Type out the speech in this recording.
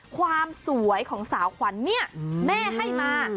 ความสวยของสาวขวัญเนี่ยแม่ให้มา